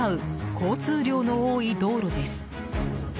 交通量の多い道路です。